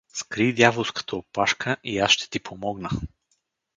Скрий дяволската опашка и аз ще ти помогна!